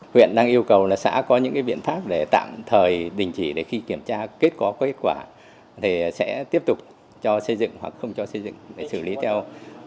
huyện đang yêu cầu là xã có những biện pháp để tạm thời đình chỉ để khi kiểm tra kết có kết quả thì sẽ tiếp tục cho xây dựng hoặc không cho xây dựng để xử lý theo